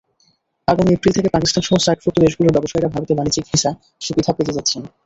আগামী এপ্রিল থেকে পাকিস্তানসহ সার্কভুক্ত দেশগুলোর ব্যবসায়ীরা ভারতে বাণিজ্যিক ভিসা-সুবিধা পেতে যাচ্ছেন।